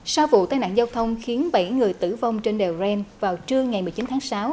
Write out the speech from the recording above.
sau vụ tai nạn giao thông khiến bảy người tử vong trên đèo ren vào trưa ngày một mươi chín tháng sáu